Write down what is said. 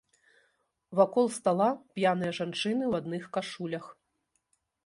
Вакол стала п'яныя жанчыны ў адных кашулях.